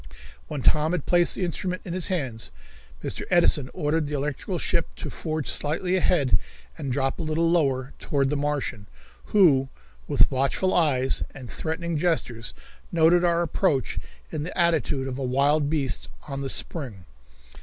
When Tom had placed the instrument in his hands Mr. Edison ordered the electrical ship to forge slightly ahead and drop a little lower toward the Martian, who, with watchful eyes and threatening gestures, noted our approach in the attitude of a wild beast on the spring.